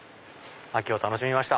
秋を楽しみました。